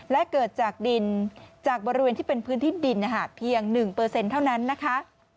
และเกิดจากดินจากบริเวณที่เป็นพื้นที่ดินเพียง๑เท่านั้นนะคะ